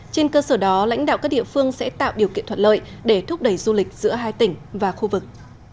trên cơ sở đó lãnh đạo các địa phương sẽ tạo điều kiện thuận lợi để thúc đẩy du lịch giữa hai tỉnh và khu vực